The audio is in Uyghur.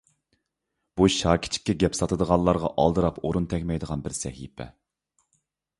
بۇ شاكىچىكچە گەپ ساتىدىغانلارغا ئالدىراپ ئورۇن تەگمەيدىغانراق بىر سەھىپە.